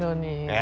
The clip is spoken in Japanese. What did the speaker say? え